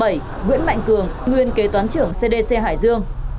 nguyễn mạnh cường nguyên kế toán trưởng cdc hải dương